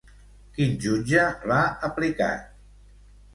Quin jutge l'ha aplicat?